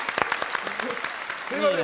すみません。